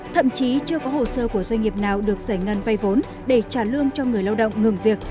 thậm chí chưa có hồ sơ của doanh nghiệp nào được giải ngân vay vốn để trả lương cho người lao động ngừng việc